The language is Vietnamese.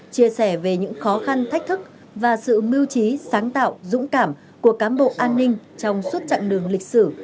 chia sẻ về những khó khăn thách thức và sự mưu trí sáng tạo dũng cảm của cám bộ an ninh trong suốt chặng đường lịch sử